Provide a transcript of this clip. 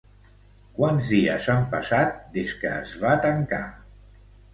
Quants dies han passat des que es va tancar?